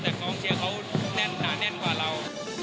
แต่กองเชียร์เขาแน่นหนาแน่นกว่าเรา